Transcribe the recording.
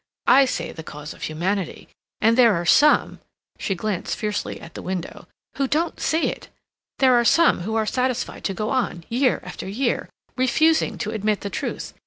I say the cause of humanity. And there are some"—she glanced fiercely at the window—"who don't see it! There are some who are satisfied to go on, year after year, refusing to admit the truth.